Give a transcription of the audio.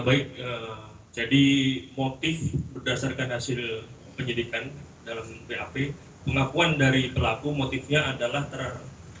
baik jadi motif berdasarkan hasil penyidikan dalam bap pengakuan dari pelaku motifnya adalah ter